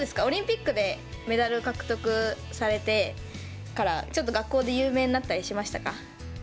オリンピックでメダル獲得されてからちょっと学校で有名になったりしましたか。